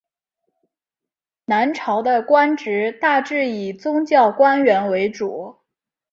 商朝的官职大致以宗教官员为主。